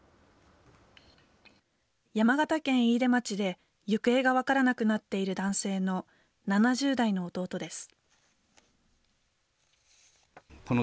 山形県飯豊町で行方が分からなくなっている男性の７０代の弟です。